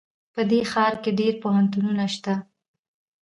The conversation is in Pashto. په دې ښار کې ډېر پوهنتونونه شته